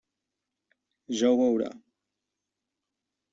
Ja ho veurà.